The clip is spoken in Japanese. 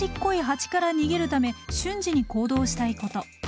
ハチから逃げるため瞬時に行動したいこと。